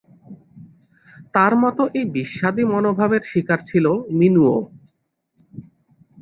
তার মত এই বিস্বাদী মনোভাবের শিকার ছিল মিনুও।